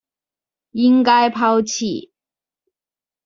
應該拋棄